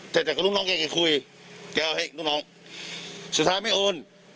แต่แต่กับลูกน้องแกคุยแกเอาให้ลูกน้องสุดท้ายไม่โอน